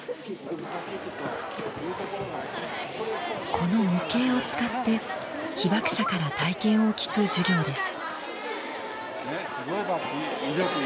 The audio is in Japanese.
この模型を使って被爆者から体験を聞く授業です。